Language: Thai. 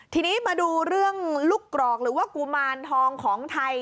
ทีนี้มาดูเรื่องลูกกรอกหรือว่ากุมารทองของไทย